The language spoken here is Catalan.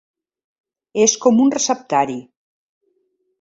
És com un receptari.